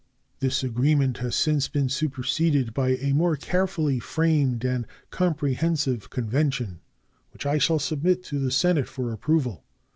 This agreement has since been superseded by a more carefully framed and comprehensive convention, which I shall submit to the Senate for approval.